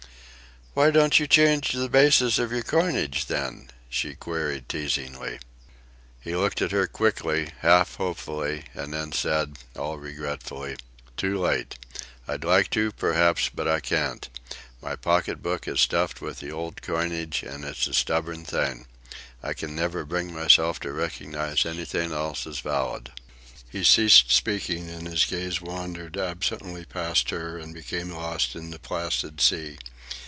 "Why don't you change the basis of your coinage, then?" she queried teasingly. He looked at her quickly, half hopefully, and then said, all regretfully: "Too late. I'd like to, perhaps, but I can't. My pocketbook is stuffed with the old coinage, and it's a stubborn thing. I can never bring myself to recognize anything else as valid." He ceased speaking, and his gaze wandered absently past her and became lost in the placid sea.